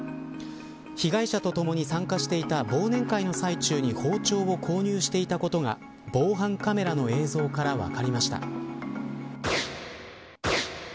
被害者と共に参加していた忘年会の最中に包丁を購入していたことが防犯カメラの映像から分かりました。